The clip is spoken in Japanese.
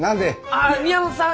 ああ宮本さん